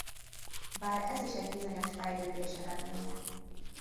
Bár ez is egy bizonyos fejlődés eredménye.